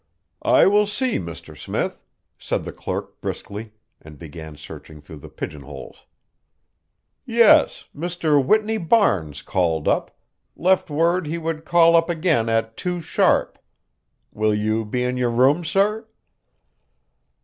"I will see, Mr. Smith," said the clerk briskly, and began searching through the pigeonholes. "Yes, Mr. Whitney Barnes called up left word he would call up again at 2 sharp. Will you be in your room, sir?"